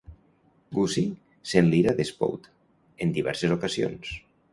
Gussie sent l'ira de Spode en diverses ocasions.